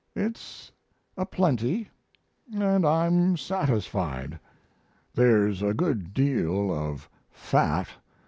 It's a plenty, & I'm satisfied. There's a good deal of "fat."